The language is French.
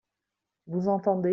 Vous entendez ?